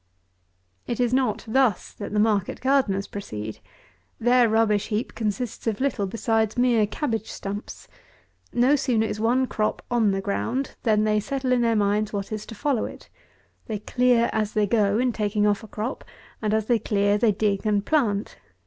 138. It is not thus that the market gardeners proceed. Their rubbish heap consists of little besides mere cabbage stumps. No sooner is one crop on the ground than they settle in their minds what is to follow it. They clear as they go in taking off a crop, and, as they clear they dig and plant.